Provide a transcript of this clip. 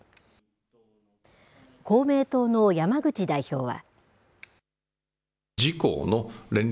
公明党の山口代表は。